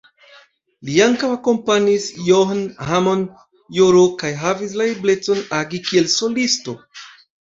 Li ankaŭ akompanis John Hammond Jr kaj havis la eblecon, agi kiel solisto.